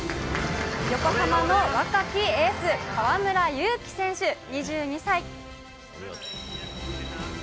横浜の若きエース、河村勇輝選手２２歳。